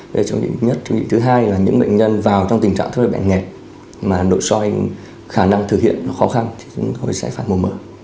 về chống chỉ định nhất chống chỉ định thứ hai là những bệnh nhân vào trong tình trạng rất là bệnh nghẹt mà nội soi khả năng thực hiện khó khăn thì chúng tôi sẽ phạt mổ mở